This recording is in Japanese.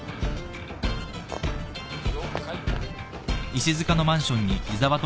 了解。